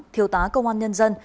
thiếu tá công an nhân dân